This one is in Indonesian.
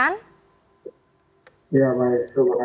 ya baik terima kasih